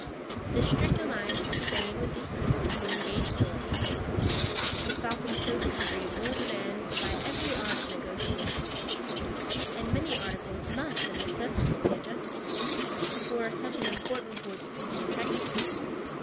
The strict alliance of Spain with these princes would engage Philip, he thought, to soften so disagreeable a demand by every art of negotiation; and many articles must of necessity be adjusted, before such an important point could be effected.